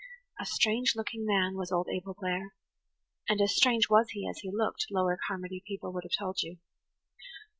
A strange looking man was old Abel Blair; and as strange was he as he looked, Lower Carmody people would have told you.